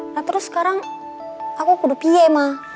nah terus sekarang aku aku dupie ma